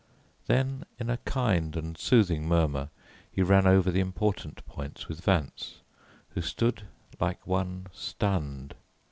Then in a kind and soothing murmur he ran over the important points with Vance, who stood like one stunned.